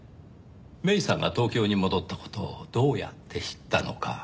芽依さんが東京に戻った事をどうやって知ったのか？